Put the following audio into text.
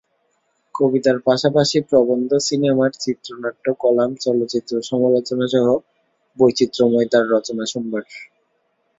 কবিতার পাশাপাশি প্রবন্ধ, সিনেমার চিত্রনাট্য, কলাম, চলচ্চিত্র সমালোচনাসহ বৈচিত্র্যময় তাঁর রচনাসম্ভার।